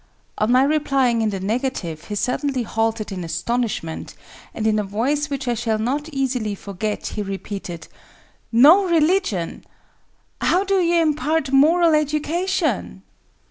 On my replying in the negative he suddenly halted in astonishment, and in a voice which I shall not easily forget, he repeated "No religion! How do you impart moral education?"